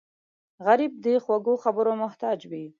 غریب د خوږو خبرو محتاج وي